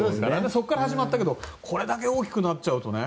そこから始まったけどこれだけ大きくなっちゃうとね。